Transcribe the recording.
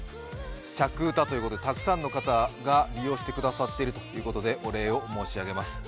着うたということでたくさんの方が利用してくださっているということでお礼を申し上げます。